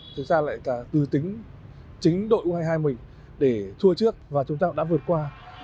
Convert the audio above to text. chúng ta lại từ tính chính đội u hai mươi hai mình để thua trước và chúng ta cũng đã vượt qua